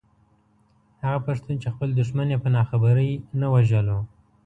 هغه پښتون چې خپل دښمن يې په ناخبرۍ نه وژلو.